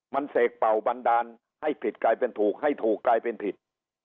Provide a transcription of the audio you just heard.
มันเสกเป่าบันดาลให้ผิดกลายเป็นถูกให้ถูกกลายเป็นผิด